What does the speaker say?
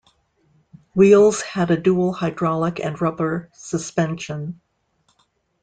Wheels had a dual hydraulic and rubber suspension.